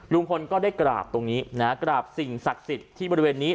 ก็ได้กราบตรงนี้นะฮะกราบสิ่งศักดิ์สิทธิ์ที่บริเวณนี้